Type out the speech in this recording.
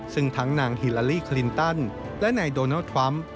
ซึ่งทั้งนางฮิลาลีคลินตันและนายโดนัลดทรัมป์